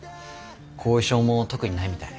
後遺症も特にないみたい。